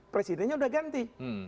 presidennya udah ganti